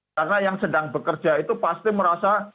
karena yang sedang bekerja itu pasti merasa